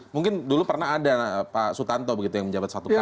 mungkin dulu pernah ada pak sutanto begitu yang menjabat satu kali